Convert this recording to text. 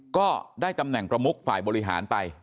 ก็ได้ตำแหน่งประมุกฝ่ายบริหารไป